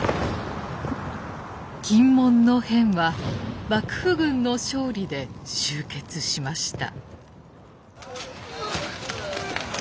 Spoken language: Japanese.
禁門の変は幕府軍の勝利で終結しました。